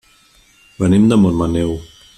Venim de Montmaneu.